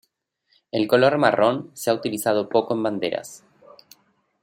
El color marrón se ha utilizado poco en banderas.